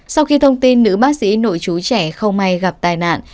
sau khi thông tin nữ bác sĩ nội chú trẻ không may gặp tai nạn